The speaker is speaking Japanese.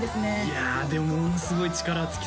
いやでもものすごい力つき